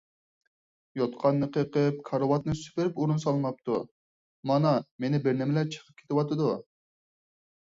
يوتقاننى قېقىپ، كارىۋاتنى سۈپۈرۈپ ئورۇن سالماپتۇ، مانا مېنى بىرنېمىلەر چېقىپ كېتىۋاتىدۇ.